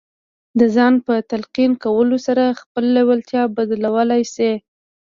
د ځان په تلقين کولو سره خپله لېوالتیا بدلولای شئ.